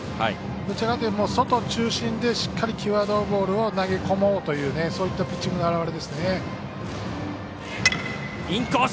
どちらかといえば外中心でしっかり際どいボールを投げ込もうというそういったピッチングの現れですね。